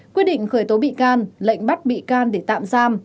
quyết định khởi tố bị can lệnh bắt bị can để tạm giam